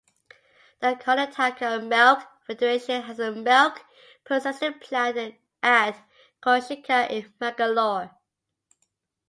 The Karnataka Milk Federation has a milk processing plant at Kulshekar in Mangalore.